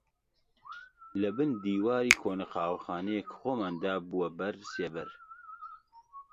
لەبن دیواری کۆنە قاوەخانەیەک خۆمان دابووە بەر سێبەر